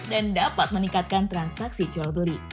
dan dapat meningkatkan transaksi jodohi